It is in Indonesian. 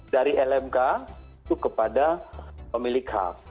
dari lmk itu kepada pemilik hak